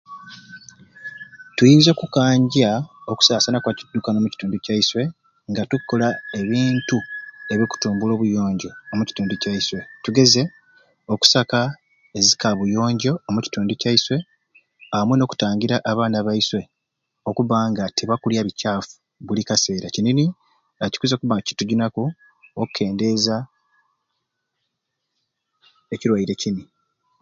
Tuyinza okukanja okusasaana kwa kidukano omu kitundu kyaiswe nga tukola ebintu ebikutumbula ebiyonjo tugeze okusaka ezikabuyonjo omu kitundu kyaiswe amwei nokutangira abaana baiswe okuba nga tebakulya bucafu obuli kaseera kini ni kikwiza okuba nga kitujunaku okendeeza ekilwaire kini